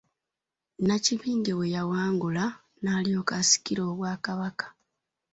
Nnakibinge bwe yawangula, n'alyoka asikira obwakabaka.